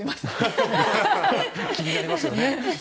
気になりますよね。